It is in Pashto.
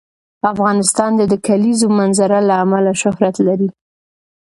افغانستان د د کلیزو منظره له امله شهرت لري.